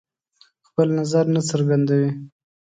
خپل نظر نه څرګندوي.